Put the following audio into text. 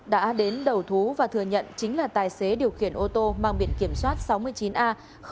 đã đến đầu thú và thừa nhận chính là tài xế điều khiển ô tô mang biện kiểm soát sáu mươi chín a năm mươi năm